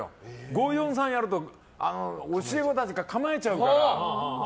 ５、４、３やると教え子たちが構えちゃうから。